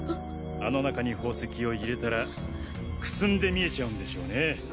あの中に宝石を入れたらくすんで見えちゃうんでしょうね。